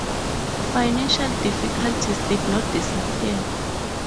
Financial difficulties did not disappear.